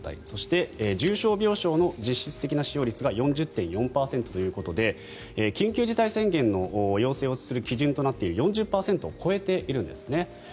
そして重症病床の実質的な使用率が４０．４％ということで緊急事態宣言の要請をする基準となっている４０％を超えているんですね。